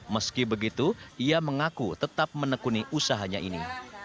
meski begitu ia mengaku tetap menekuni usahanya ini